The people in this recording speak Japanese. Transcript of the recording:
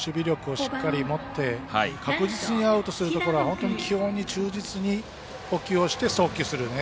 しっかり永見君は確実にアウトするところは本当に基本に忠実に捕球をして送球する。